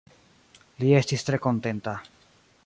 Li estis tre kontenta.